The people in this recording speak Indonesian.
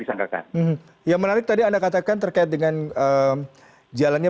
disangkakan yang menarik tadi anda katakan terkait dengan jalannya